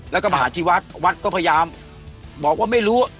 แล้วก็มาหาที่วัดวัดก็พยายามบอกว่าไม่รู้